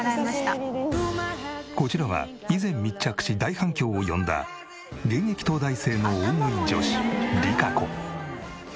こちらは以前密着し大反響を呼んだ現役東大生の大食い女子りかこ。